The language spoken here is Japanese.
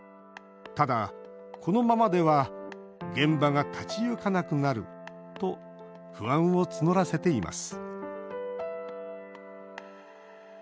ただ、このままでは現場が立ち行かなくなると不安を募らせています